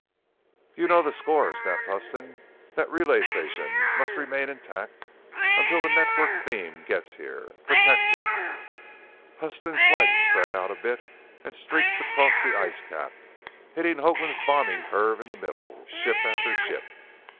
"You know the score!" snapped Huston. "That relay station must remain intact until the Network Beam gets here! Protect it!" Huston's flight spread out a bit and streaked across the ice cap, hitting Hoagland's bombing curve in the middle, ship after ship.